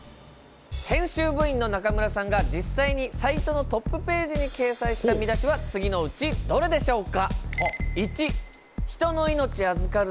編集部員の中村さんが実際にサイトのトップページに掲載した見出しは次のうちどれでしょうか？